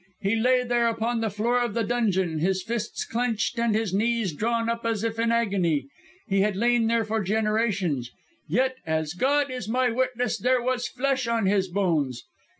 He lay there upon the floor of the dungeon, his fists clenched and his knees drawn up as if in agony. He had lain there for generations; yet, as God is my witness, there was flesh on his bones.